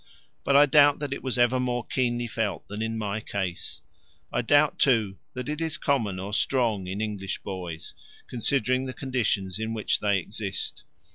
But I doubt that it was ever more keenly felt than in my case; I doubt, too, that it is common or strong in English boys, considering the conditions in which they exist.